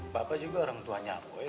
papa juga orang tuanya boy